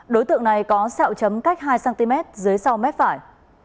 đối tượng này có sẹo chấm cách hai cm dưới sau mép phải